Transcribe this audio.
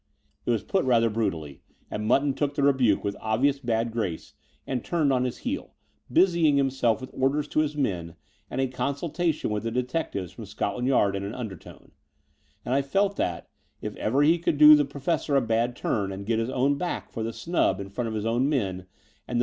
It was put rather brutally, and Mutton took the or rebuke with obvious bad grace and turned on his k heel, busying himself with orders to his men and id a consultation with the detectives from Scotland )f Yard in an undertone; and I felt that, if ever he could do the Professor a bad turn and get his own 1 back for the snub in front of his own men and the